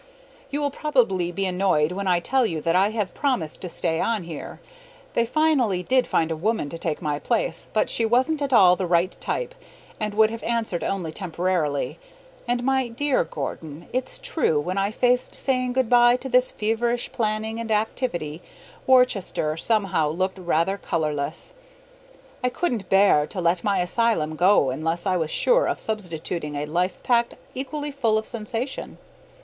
You will probably be annoyed when I tell you that I have promised to stay on here. They finally did find a woman to take my place, but she wasn't at all the right type and would have answered only temporarily. And, my dear Gordon, it's true, when I faced saying good by to this feverish planning and activity, Worcester somehow looked rather colorless. I couldn't bear to let my asylum go unless I was sure of substituting a life packed equally full of sensation.